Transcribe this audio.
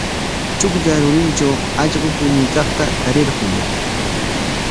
Chuklla rurintraw allqu puñuykaqta tarirqun.